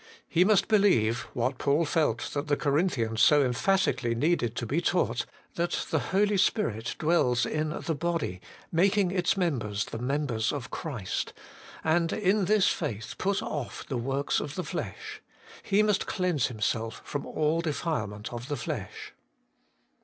He must believe, what Paul felt that the Corinthians so emphatically needed to be taught, that the Holy Spirit dwells in the body, making its members the members of Christ, and in this faith put off the works of the flesh ; he must cleanse himself from all defilement of flesh.